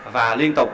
và liên tục